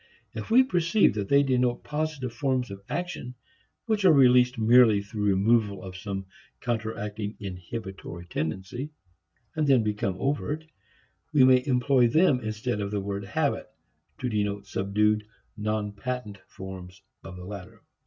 If we perceive that they denote positive forms of action which are released merely through removal of some counteracting "inhibitory" tendency, and then become overt, we may employ them instead of the word habit to denote subdued, non patent forms of the latter.